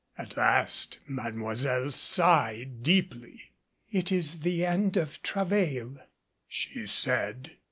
At last Mademoiselle sighed deeply. "It is the end of travail," she said.